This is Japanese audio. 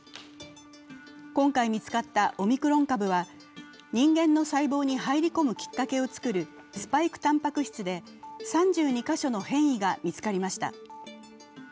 今回見つかったオミクロン株は人間の細胞に入り込むきっかけを作るスパイクたんぱく質で、３２カ所の変異が見つかりました。